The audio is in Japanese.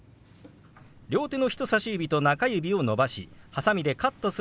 両手の人さし指と中指を伸ばしはさみでカットするように動かします。